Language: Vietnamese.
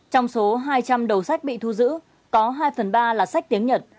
trong số hai trăm linh đầu sách bị thu giữ có hai phần ba là sách tiếng nhật